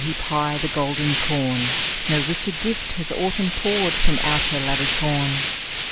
Heap high the golden corn! No richer gift has Autumn poured From out her lavish horn!